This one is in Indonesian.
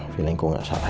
feelingku nggak salah